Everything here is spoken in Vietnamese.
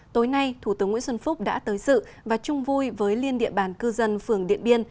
tối nay thủ tướng nguyễn xuân phúc đã tới sự và chung vui với liên địa bàn cư dân phường điện biên